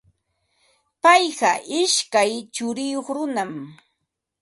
Payqa ishkay churiyuq runam.